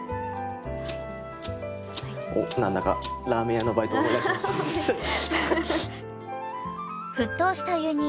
おっ何だかラーメン屋のバイトを思い出します。